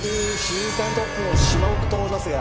『週刊トップ』の島岡と申しますが。